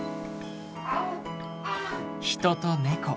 人と猫。